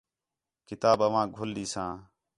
کتاب آوانک گھل ݙیساں